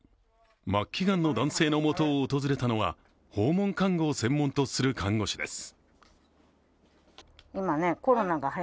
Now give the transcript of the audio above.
末期がんの男性のもとを訪れたのは訪問看護を専門とする看護師です。